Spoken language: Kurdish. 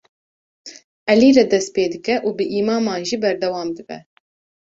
Elî re dest pê dike û bi îmaman jî berdewam dibe.